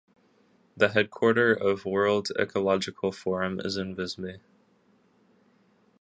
The headquarter of the World Ecological Forum is in Visby.